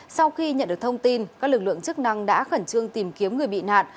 sau khi nhận được thông tin các lực lượng chức năng đã khẩn trương tìm kiếm người bị nạn